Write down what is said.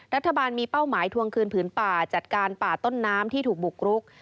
รัฐบาลมีเป้าหมายทวงคืนผืนป่าจัดการป่าต้นน้ำที่ถูกบุกรุก